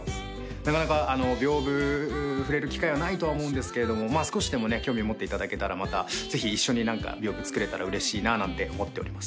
なかなか屏風触れる機会はないとは思うんですけれどもまぁ少しでもね興味を持っていただけたらまたぜひ一緒に何か屏風作れたらうれしいななんて思っております。